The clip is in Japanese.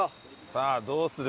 さあどうする？